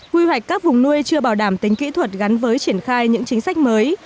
quy hoạch các vùng nuôi chưa bảo đảm tính kỹ thuật gắn với triển khai những chính sách mới